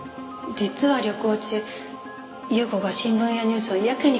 実は旅行中優子が新聞やニュースをやけに気にしてたんです。